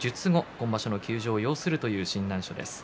今場所の休場を要するという診断書です。